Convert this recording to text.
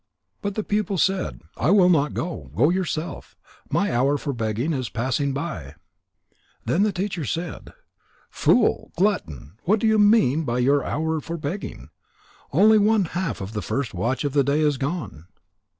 But the pupil said: "I will not go. Go yourself. My hour for begging is passing by." Then the teacher said: "Fool! Glutton! What do you mean by your hour for begging? Only one half of the first watch of the day is gone."